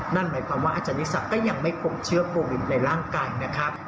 นั่นหมายความว่าอาจารย์ยิ่งศักดิ์ก็ยังไม่ครบเชื้อโปรบินในร่างกายนะครับ